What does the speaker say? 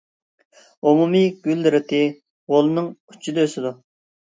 ئومۇمىي گۈل رېتى غولنىڭ ئۇچىدا ئۆسىدۇ.